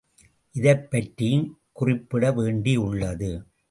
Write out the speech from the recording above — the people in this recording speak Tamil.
இதைப் பற்றியும் குறிப்பிடவேண்டியுள்ளது.